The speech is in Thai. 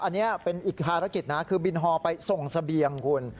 อันนี้เป็นอีกภารกิจนะคือบินฮอลไปส่งเสบียงคุณ